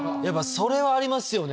それはありますよね。